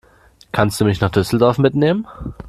Kannst du mich nach Düsseldorf mitnehmen?